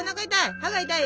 歯が痛い？